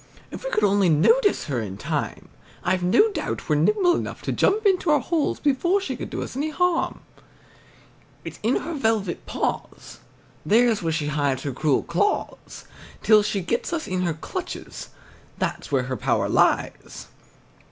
If we could only notice her in time, I've no doubt we're nimble enough to jump into our holes before she could do us any harm. It's in her velvet paws, there's where she hides her cruel claws till she gets us in her clutches that's where her power lies.